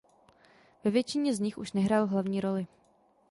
Ve většině z nich už nehrál hlavní roli.